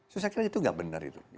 susah kira itu gak benar